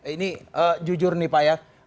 ini jujur nih pak ya